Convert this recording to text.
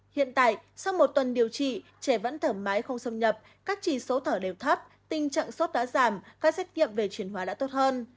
hiện tại sau một tuần điều trị trẻ vẫn thở máy không xâm nhập các chỉ số thở đều thấp tình trạng sốt đã giảm các xét nghiệm về chuyển hóa đã tốt hơn